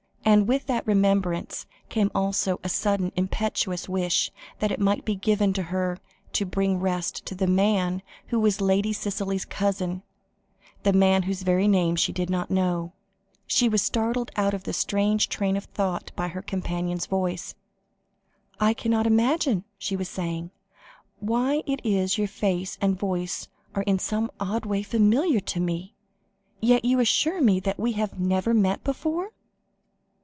And with that remembrance, came also a sudden impetuous wish that it might be given to her to bring rest to the man who was Lady Cicely's cousin, the man whose very name she did not know. She was startled out of the strange train of thought, by her companion's voice. "I cannot imagine," she was saying, "why it is that your face and voice are in some odd way familiar to me, and yet you assure me we have never met before?"